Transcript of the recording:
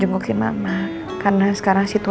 anak mama yang cantik